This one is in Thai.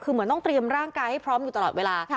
คือเหมือนต้องเตรียมร่างกายให้พร้อมอยู่ตลอดเวลา